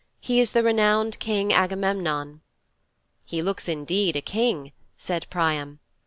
He is the renowned King Agamemnon."' '"He looks indeed a King," said Priam.